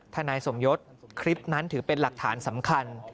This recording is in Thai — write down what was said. นายสมยศคลิปนั้นถือเป็นหลักฐานสำคัญ